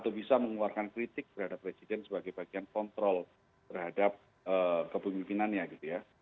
atau bisa mengeluarkan kritik terhadap presiden sebagai bagian kontrol terhadap kepemimpinannya gitu ya